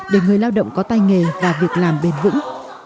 để người lao động có tay nghề và việc làm bền vững